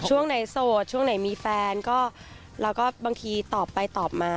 ช่วงไหนโสดช่วงไหนมีแฟนก็เราก็บางทีตอบไปตอบมา